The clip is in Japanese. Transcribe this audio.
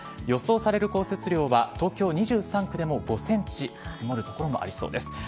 予想される降雪量は東京２３区でも５ｃｍ積もる所もありそうです。